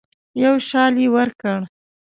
یو شال یې ورکړ.